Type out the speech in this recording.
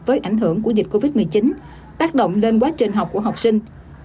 với ảnh hưởng của dịch covid một mươi chín tác động lên quá trình học của học sinh